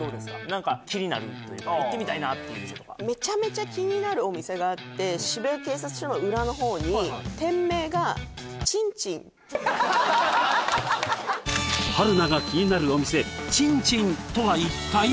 何か気になるというか行ってみたいなという店とかめちゃめちゃ気になるお店があって渋谷警察署の裏の方にハハハハハハ春菜が気になるお店ちんちんとは一体？